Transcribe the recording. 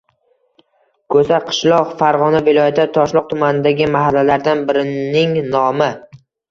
Ko‘saqishloq - Farg‘ona viloyati Toshloq tumanidagi mahallalardan birining nomi.